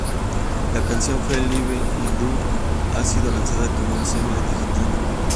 La canción "Feel Like I Do" ha sido lanzada como un single digital.